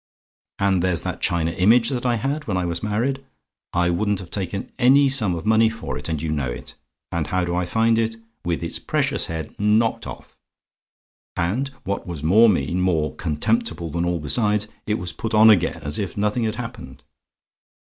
"And there's that china image that I had when I was married I wouldn't have taken any sum of money for it, and you know it and how do I find it? With its precious head knocked off! And what was more mean, more contemptible than all besides, it was put on again, as if nothing had happened.